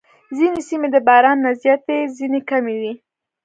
ځینې سیمې د باران نه زیاتې، ځینې کمې وي.